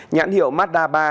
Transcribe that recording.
nhãn hiệu mazda ba